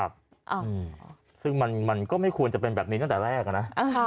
อืมซึ่งมันก็ไม่ควรจะเป็นแบบนี้ตั้งแต่แรกอะนะ